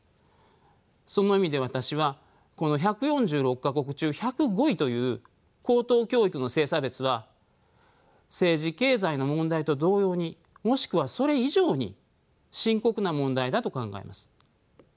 その意味で私はこの１４６か国中１０５位という高等教育の性差別は政治経済の問題と同様にもしくはそれ以上に深刻な問題だと考えます。